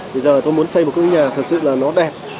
bây giờ tôi muốn xây một cái nhà thật sự là nó đẹp